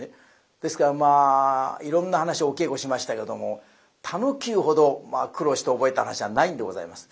ですからまあいろんな噺をお稽古しましたけども「田能久」ほど苦労して覚えた噺はないんでございます。